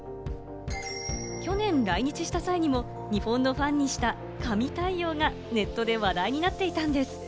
去年来日した際にも日本のファンにした神対応がネットで話題になっていたんです。